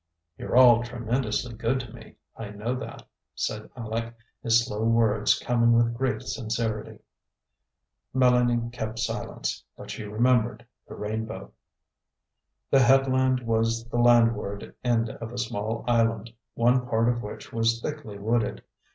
"You're all tremendously good to me, I know that," said Aleck, his slow words coming with great sincerity. Mélanie kept silence, but she remembered the rainbow. The headland was the landward end of a small island, one part of which was thickly wooded.